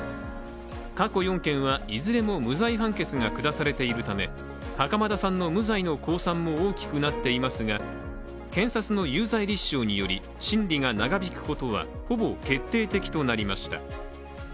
過去４件はいずれも無罪判決が下されているため袴田さんの無罪の公算も大きくなっていますが検察の有罪立証により、審理が長引くことはほぼ決定的となりました。